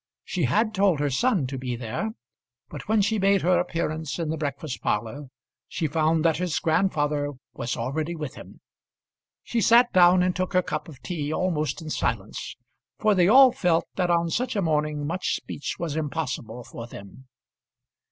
She had told her son to be there; but when she made her appearance in the breakfast parlour, she found that his grandfather was already with him. She sat down and took her cup of tea almost in silence, for they all felt that on such a morning much speech was impossible for them.